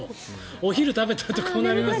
お昼を食べたあとこうなります。